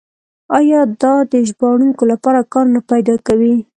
آیا دا د ژباړونکو لپاره کار نه پیدا کوي؟